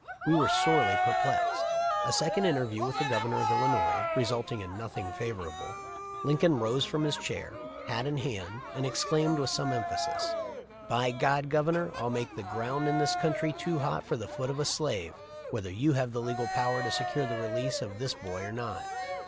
We were sorely perplexed. A second interview with the Governor of Illinois resulting in nothing favorable Lincoln rose from his chair, hat in hand, and ex claimed with some emphasis: "By God, Governor, I'll make the ground in this country too hot for the foot of a slave, whether you have the legal power to secure the release of this boy or not."